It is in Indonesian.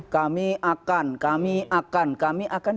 kami akan kami akan kami akan